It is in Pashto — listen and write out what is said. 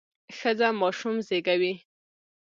ښځه ماشوم زیږوي.